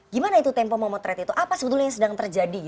gimana itu tempo memotret itu apa sebetulnya yang sedang terjadi